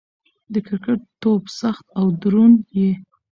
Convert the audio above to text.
د کرکټ توپ سخت او دروند يي.